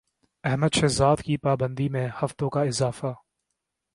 احمد شہزاد کی پابندی میں ہفتوں کا اضافہ